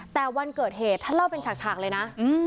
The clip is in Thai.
แต่วันเกิดเหตุท่านเล่าเป็นฉากเลยนะ